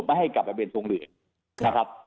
มาให้กลับไปเป็นทรงเหลืองนะครับ